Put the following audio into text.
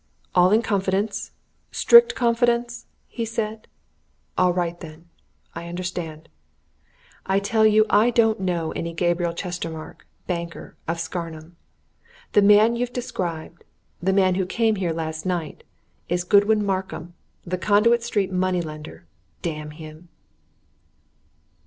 "All in confidence strict confidence?" he said. "All right, then! I understand. I tell you, I don't know any Gabriel Chestermarke, banker, of Scarnham! The man you've described the man who came here last night is Godwin Markham, the Conduit Street money lender damn him!"